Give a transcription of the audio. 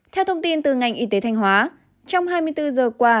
theo thông tin từ ngành y tế thanh hóa trong hai mươi bốn giờ qua